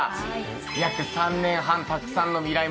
約３年半たくさんのミライ☆